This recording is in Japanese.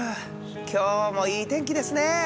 今日もいい天気ですねえ